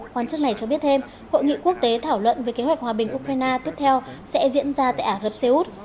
hoàn chức này cho biết thêm hội nghị quốc tế thảo luận về kế hoạch hòa bình ukraine tiếp theo sẽ diễn ra tại ả rập xê út